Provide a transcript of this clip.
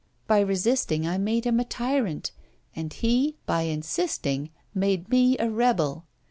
By resisting, I made him a tyrant; and he, by insisting, made me a rebel.